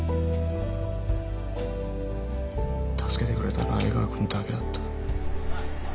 助けてくれたのは江川君だけだった。